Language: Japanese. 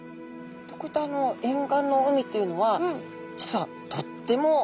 こういった沿岸の海というのは実はとっても暮らしやすいんですね。